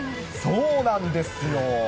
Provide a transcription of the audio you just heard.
そうなんですよ。